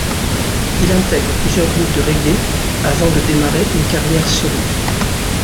Il intègre plusieurs groupes de reggae avant de démarrer une carrière solo.